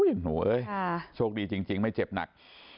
โอ้โหเอ้ยโชคดีจริงไม่เจ็บหนัก